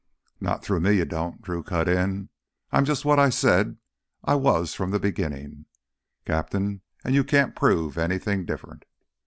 "Not through me, you don't," Drew cut in. "I'm just what I said I was from the beginnin', Captain. And you can't prove anything different."